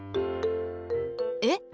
えっ！